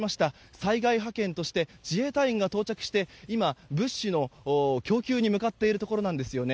災害派遣として自衛隊員が到着し今、物資の供給に向かっているところなんですよね。